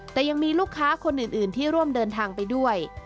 แต่ยังมีลูกค้าคนอื่นที่ร่วมเดินทางไปด้วย